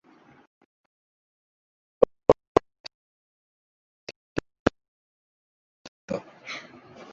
বোন নেই।